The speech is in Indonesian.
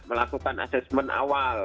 melakukan assessment awal